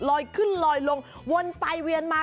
ลอยขึ้นลอยลงวนไปเวียนมา